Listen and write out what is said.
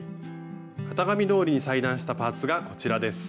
型紙どおりに裁断したパーツがこちらです。